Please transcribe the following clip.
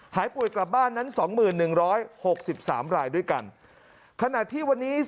หายป่วยกลับบ้านนั้น๒๑๑๖๓รายด้วยกัน